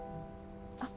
あっ。